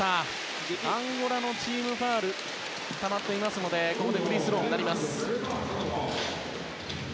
アンゴラのチームファウルがたまっていますのでフリースローになります。